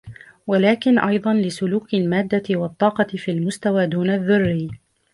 ولكن أيضا لسلوك المادة والطاقة في المستوى دون الذرّي